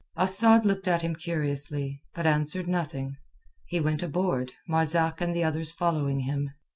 Asad looked at him curiously, but answered nothing. He went aboard, Marzak and the others following him.